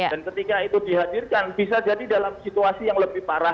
dan ketika itu dihadirkan bisa jadi dalam situasi yang lebih parah